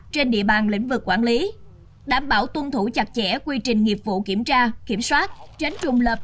trên địa bàn lĩnh vực quản lý đảm bảo tuân thủ chặt chẽ quy trình nghiệp vụ kiểm tra kiểm soát tránh trùng lập